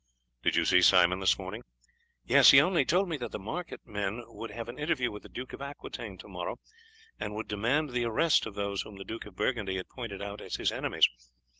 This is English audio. "Did you see Simon this morning?" "Yes, he only told me that the market men would have an interview with the Duke of Aquitaine to morrow, and would demand the arrest of those whom the Duke of Burgundy had pointed out as his enemies.